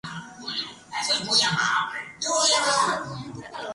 Hay bosques con quejigo, y pueden encontrarse igualmente hayedos.